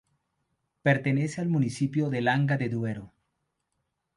Pertenece al municipio de Langa de Duero.